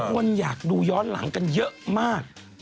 คนอยากดูย้อนหลังกันเยอะมาก